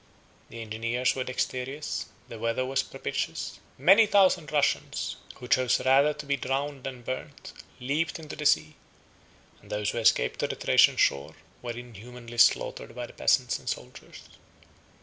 The engineers were dexterous; the weather was propitious; many thousand Russians, who chose rather to be drowned than burnt, leaped into the sea; and those who escaped to the Thracian shore were inhumanly slaughtered by the peasants and soldiers.